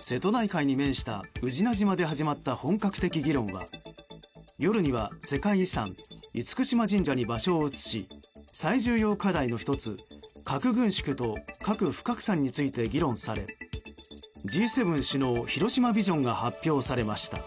瀬戸内海に面した宇品島で始まった本格的な議論は夜には、世界遺産・厳島神社に場所を移し最重要課題の１つ核軍縮と核不拡散について議論され、Ｇ７首脳広島ビジョンが発表されました。